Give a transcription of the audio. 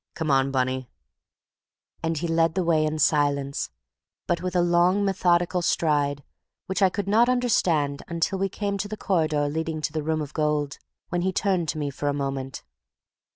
Come on, Bunny!" And he led the way in silence, but with a long methodical stride which I could not understand until we came to the corridor leading to the Room of Gold, when he turned to me for a moment.